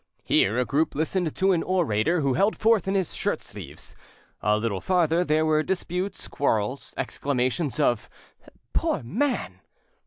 Here, a group listened to an orator who held forth in his shirt sleeves, a little farther there were disputes, quarrels, exclamations of "Poor man!"